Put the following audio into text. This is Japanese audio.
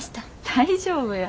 大丈夫や。